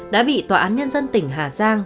đã bị tòa án nhân dân tỉnh hà giang